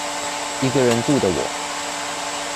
一個人住的我